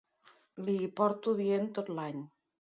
Li hi porto dient tot l’any.